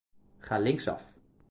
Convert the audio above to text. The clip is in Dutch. Ga linksaf.